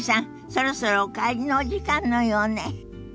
そろそろお帰りのお時間のようね。